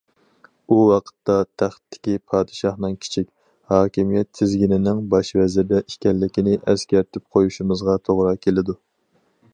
ئۇ ۋاقىتتا، تەختتىكى پادىشاھنىڭ كىچىك، ھاكىمىيەت تىزگىنىنىڭ باش ۋەزىردە ئىكەنلىكىنى ئەسكەرتىپ قويۇشىمىزغا توغرا كېلىدۇ.